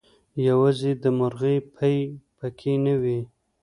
يوازې دمرغۍ پۍ پکې نه وې